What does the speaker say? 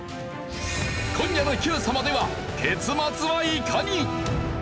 今夜の『Ｑさま！！』では結末はいかに！？